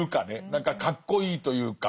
何かかっこいいというか。